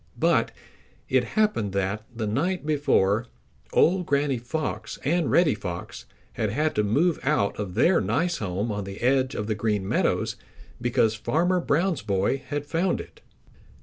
But it happened that, the night before, old Granny Fox and Reddy Fox had had to move out of their nice home on the edge of the Green Meadows because Farmer Brown's boy had found it.